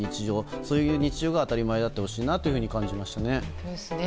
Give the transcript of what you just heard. そういう日常が当たり前になってほしいなと思いましたね。